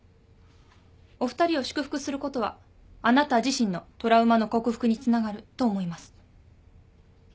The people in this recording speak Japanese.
お二人を祝福することはあなた自身のトラウマの克服につながると思います。